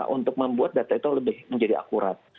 untuk membuat data itu lebih menjadi akurat